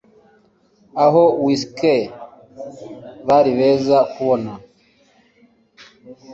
abo whiskers bari beza kubona